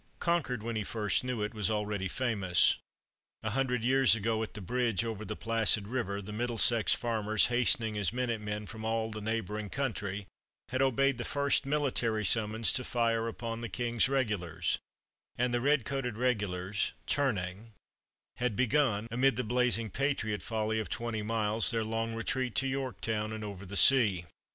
Concord when he first knew it was already famous. A hundred years ago, at the bridge over the placid river, the Middlesex farmers, hastening as minute men from all the neighboring country, had obeyed the first military summons to fire upon the king's regulars; and the red coated regulars, turning, had begun, amid the blazing patriot volley of twenty miles, their long retreat to Yorktown and over the sea.